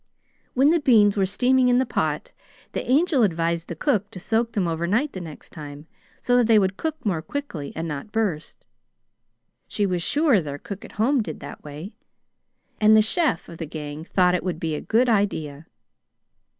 When the beans were steaming in the pot, the Angel advised the cook to soak them overnight the next time, so that they would cook more quickly and not burst. She was sure their cook at home did that way, and the CHEF of the gang thought it would be a good idea.